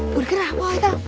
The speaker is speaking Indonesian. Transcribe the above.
burger apa kang